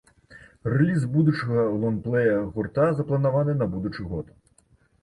Рэліз будучага лонгплэя гурта запланаваны на будучы год.